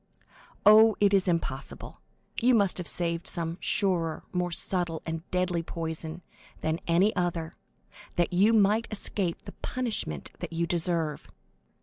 Oh, it is impossible—you must have saved some surer, more subtle and deadly poison than any other, that you might escape the punishment that you deserve.